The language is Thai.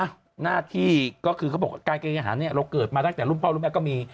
หน้าที่ก็คือเขาบอกการเกณฑ์ทหารเนี่ยเราเกิดมาตั้งแต่รุ่นพ่อรุ่นแม่ก็มี